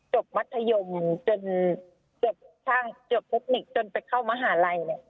จบมธยมจบธุรกิจจนไปเข้ามหาลัย